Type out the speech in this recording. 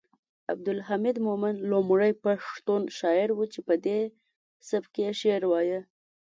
عبدالحمید مومند لومړی پښتون شاعر و چې پدې سبک یې شعر وایه